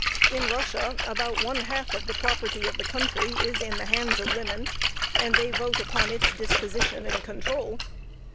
In Russia, about one half of the property of the country is in the hands of women, and they vote upon its disposition and control.